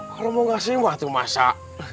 kalau mau gak sih mbak tuh masak